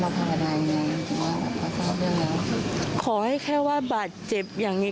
ขอให้แค่ว่าบาดเจ็บอย่างนี้